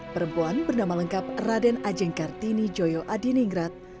perempuan bernama lengkap raden ajeng kartini joyo adiningrat